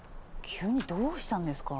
急にどうしたんですか？